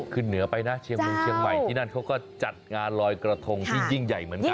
เหนือไปนะเชียงมือเชียงใหม่ที่นั่นเขาก็จัดงานลอยกระทงที่ยิ่งใหญ่เหมือนกัน